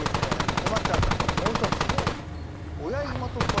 ぬまっちゃんさんからもう一つ。